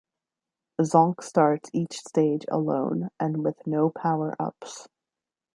Zonk starts each stage alone and with no powerups.